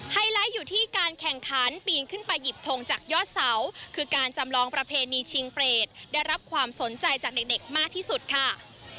ไลท์อยู่ที่การแข่งขันปีนขึ้นไปหยิบทงจากยอดเสาคือการจำลองประเพณีชิงเปรตได้รับความสนใจจากเด็กมากที่สุดค่ะ